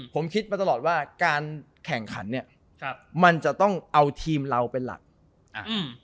ผมคิดมาตลอดว่าการแข่งขันเนี้ยครับมันจะต้องเอาทีมเราเป็นหลักอ่าอืม